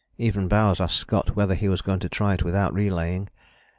Even Bowers asked Scott whether he was going to try it without relaying.